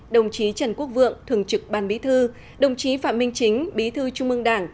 đồng chí trần quốc vượng thường trực ban bí thư đồng chí phạm minh chính bí thư trung mương đảng